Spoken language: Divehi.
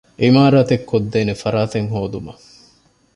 ޢިމާރާތެއް ކޮށްދޭނެ ފަރާތެއް ހޯދުމަށް